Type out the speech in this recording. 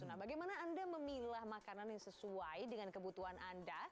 nah bagaimana anda memilah makanan yang sesuai dengan kebutuhan anda